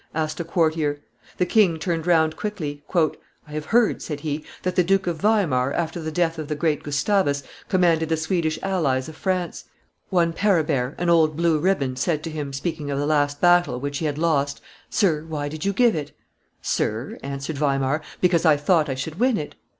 asked a courtier. The king turned round quickly. "I have heard," said he, "that the Duke of Weimar, after the death of the great Gustavus, commanded the Swedish allies of France; one Parabere, an old blue ribbon, said to him, speaking of the last battle, which he had lost, 'Sir, why did you give it?' 'Sir,' answered Weimar, 'because I thought I should win it.